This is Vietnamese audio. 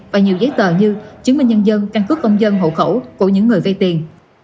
và nhiều giấy tờ như chứng minh nhân dân căn cứ công dân hộ khẩu của những người vay tiền